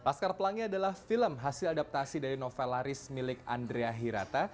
laskar pelangi adalah film hasil adaptasi dari novelaris milik andrea hirata